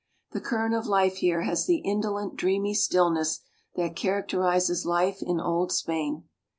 The current of life here has the indolent, dreamy stillness that characterizes life in Old Spain.